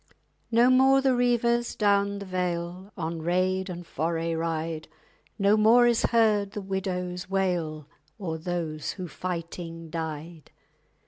_ No more the reivers down the vale On raid and foray ride; No more is heard the widow's wail _O'er those who fighting died.